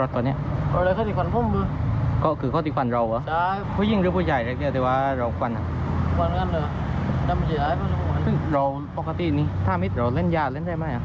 เป็นรู้สึกมั้ยที่นี่ทาพิศเหล่าเล่นยาเล่นได้ไหม